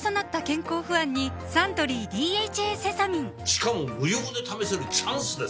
しかも無料で試せるチャンスですよ